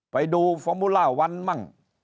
ไปดูฟอร์มูล่าวัน